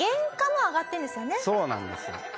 そうなんですよ。